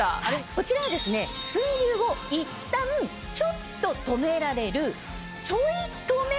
こちらは水流をいったんちょっと止められる。